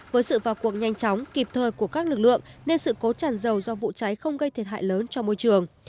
với sự vào cuộc nhanh chóng kịp thời của các lực lượng nên sự cố tràn dầu do vụ cháy không gây thiệt hại lớn cho môi trường